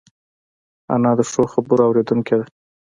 انا د ښو خبرو اورېدونکې ده